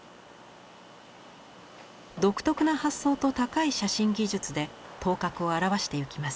独特な発想と高い写真技術で頭角を現してゆきます。